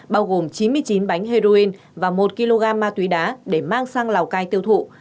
bao gồm chín mươi chín bánh heroin và một kg ma túy đá để mang sang lào cai tiêu thụ